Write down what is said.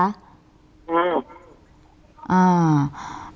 ไม่มี